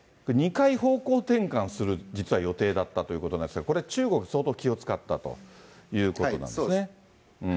２回方向転換する、実は予定だったということなんですが、これは中国、相当気を遣ったということそうです。